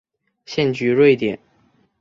现居瑞典。